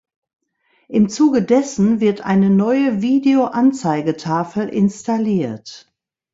Im Zuge dessen wird eine neue Video-Anzeigetafel installiert.